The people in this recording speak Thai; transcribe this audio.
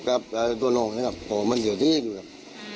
แต่แปลว่าไม่น่าจะมาจากเรืองนี้